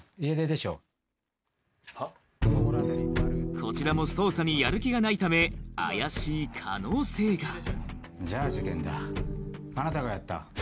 こちらも捜査にやる気がないため怪しい可能性がじゃあ事件だあなたがやった？